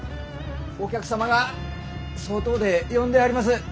お客様が外で呼んではります。